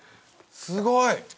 すごい！